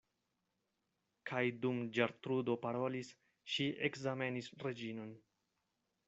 Kaj dum Ĝertrudo parolis, ŝi ekzamenis Reĝinon.